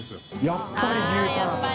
やっぱり牛タン。